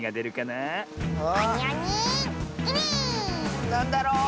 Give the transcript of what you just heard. なんだろう？